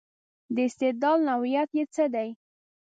د استدلال نوعیت یې څه دی.